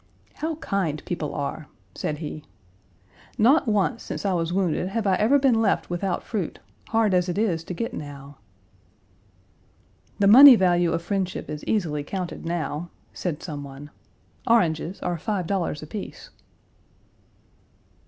"How kind people are," said he. "Not once since I was wounded have I ever been left without fruit, hard as it is to get now." "The money value of friendship is easily counted now," said some one, "oranges are five dollars apiece."